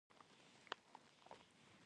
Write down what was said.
تر اوسه خو لا کومه ستونزه نشته.